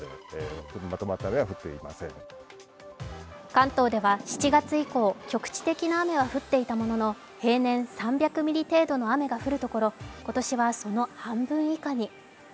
関東では７月以降局地的な雨は降っていたものの平年３００ミリ程度の雨が降るところ今年はその半分以下に。